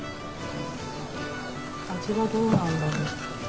味はどうなんだろう？